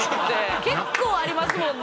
結構ありますもんね。